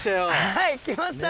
はい来ました！